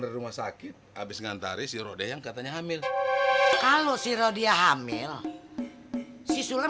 ke rumah sakit habis nganter sirode yang katanya hamil kalau siro dia hamil siswa